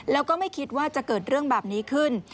แล้วก็ไม่คิดว่าจะเกิดเรื่องแบบนี้ขึ้น